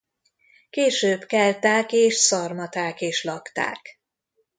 Később kelták és szarmaták is lakták.